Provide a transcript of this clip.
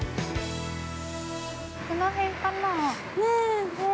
◆この辺かなー。